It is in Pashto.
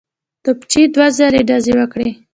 توپچي دوه ځلي ډزې وکړې.